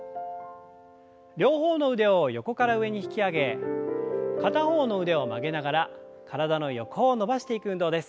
両方の腕を横から上に引き上げ片方の腕を曲げながら体の横を伸ばしていく運動です。